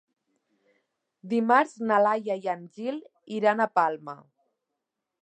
Dimarts na Laia i en Gil iran a Palma.